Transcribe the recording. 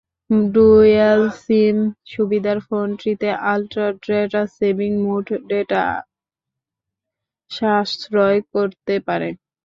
Dual SIM সুবিধার ফোনটিতেআল্ট্রা data saving mode data সাশ্রয় করতে পারে।